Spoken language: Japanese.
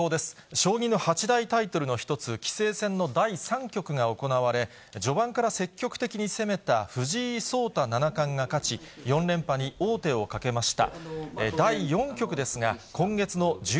将棋の８大タイトルの一つ、棋聖戦の第３局が行われ、序盤から積極的に攻めた藤井聡太七冠が以上、きょうコレをお伝えしました。